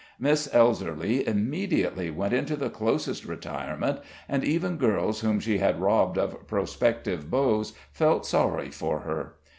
Miss Elserly immediately went into the closest retirement, and even girls whom she had robbed of prospective beaus felt sorry for her.